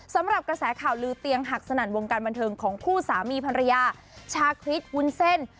สำหรับกระแสข่าวลือเตียงหักสนั่นวงการบันเทิงของคู่สามีภรรยาชาคริสวุ้นเส้น